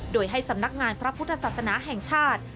โดยให้สำนักงานพระพุทธศาสนาแห่งชาติ